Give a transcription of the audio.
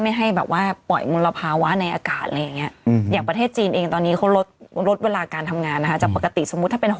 ภาคกลางภาคตัวนอกกรุงเทศแหม่นครและปริมทน